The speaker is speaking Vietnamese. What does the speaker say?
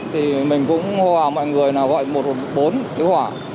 thì mình cũng hòa mọi người là gọi một hộp bốn cái hỏa